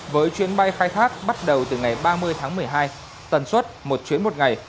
với chuyến bay khai thác bắt đầu từ ngày ba mươi tháng một mươi hai tần suất một chuyến một ngày